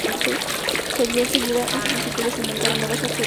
Se vio enseguida que sus discípulos inventaron nuevas aserciones.